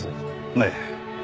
ええ。